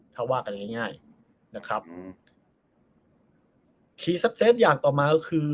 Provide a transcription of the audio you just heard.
ถ้าว่ากันง่ายง่ายนะครับคีย์เซฟอย่างต่อมาก็คือ